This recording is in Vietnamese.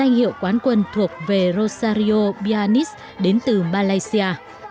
danh hiệu quán quân thuộc về rosario pianist đến từ malaysia